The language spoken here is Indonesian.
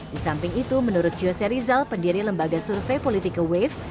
di samping itu menurut jose rizal pendiri lembaga survei politika wave